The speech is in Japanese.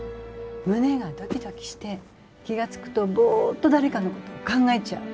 胸がドキドキして気が付くとボーッと誰かのことを考えちゃう。